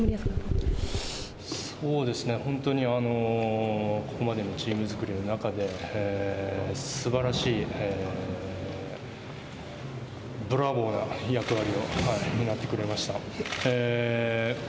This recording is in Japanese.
そうですね、本当にここまでのチーム作りの中で、すばらしいブラボーな役割を担ってくれました。